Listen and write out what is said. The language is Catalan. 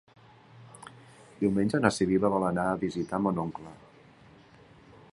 Diumenge na Sibil·la vol anar a visitar mon oncle.